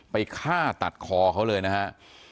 ไปฆ่าตัดคอเขาเลยนะฮะ